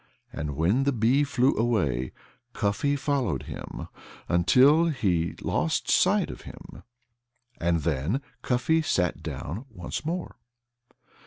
And when the bee flew away, Cuffy followed him until he lost sight of him. And then Cuffy sat down once more.